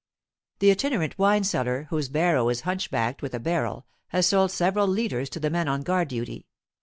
The itinerant wine seller, whose barrow is hunchbacked with a barrel, has sold several liters to the men on guard duty.